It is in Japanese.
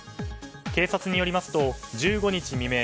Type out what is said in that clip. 警察によりますと１５日未明